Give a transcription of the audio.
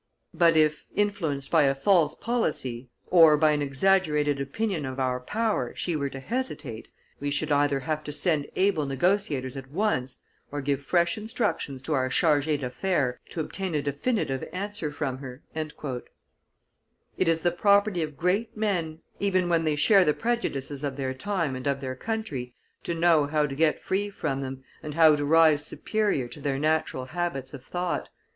But if, influenced by a false policy, or by an exaggerated opinion of our power, she were to hesitate, we should either have to send able negotiators at once, or give fresh instructions to our charges d'affaires to obtain a definitive answer from her." It is the property of great men, even when they share the prejudices of their time and of their country, to know how to get free from them, and how to rise superior to their natural habits of thought.